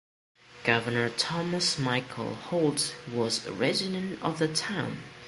Governor Thomas Michael Holt was a resident of the town.